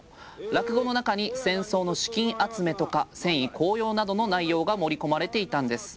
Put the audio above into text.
落語の中に戦争の資金集めとか戦意高揚などの内容が盛り込まれていたんです。